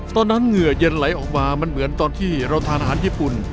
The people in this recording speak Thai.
เหงื่อเย็นไหลออกมามันเหมือนตอนที่เราทานอาหารญี่ปุ่น